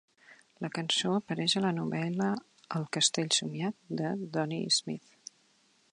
La cançó apareix a la novel·la "El castell somiat" de Dodie Smith.